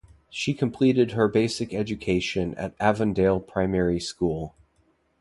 She completed her basic education at Avondale Primary School.